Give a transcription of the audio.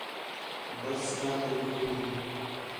بس سٹاپ تی کھڑی ہے